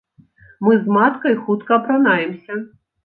Мы з маткай хутка апранаемся.